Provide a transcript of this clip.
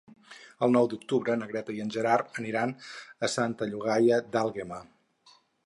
El nou d'octubre na Greta i en Gerard aniran a Santa Llogaia d'Àlguema.